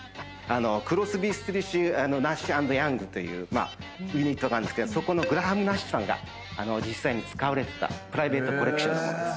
Ｃｒｏｓｂｙ，Ｓｔｉｌｌｓ，Ｎａｓｈ＆Ｙｏｕｎｇというユニットがあるんですけどそこのグラハム・ナッシュさんが実際に使われてたプライベートコレクションの物です。